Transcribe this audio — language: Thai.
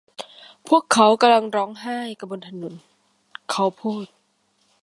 พวกเขากำลังร้องไห้กันบนถนน'เขาพูด